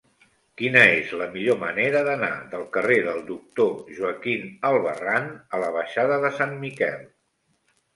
Quina és la millor manera d'anar del carrer del Doctor Joaquín Albarrán a la baixada de Sant Miquel?